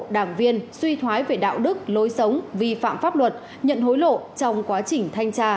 đạo đức lối sống vi phạm pháp luật nhận hối lộ trong quá trình thanh tra